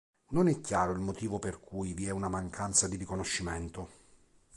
Non è chiaro il motivo per cui vi è una mancanza di riconoscimento.